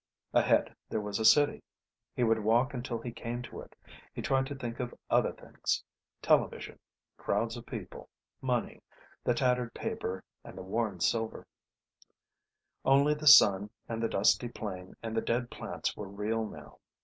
Ahead there was a city. He would walk until he came to it. He tried to think of other things: television, crowds of people, money: the tattered paper and the worn silver Only the sun and the dusty plain and the dead plants were real now.